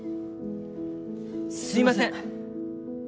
すいません。